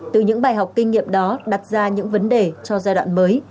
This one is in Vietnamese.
từ những bài học kinh nghiệm đó đặt ra những vấn đề cho giai đoạn mới